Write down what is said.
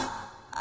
あ。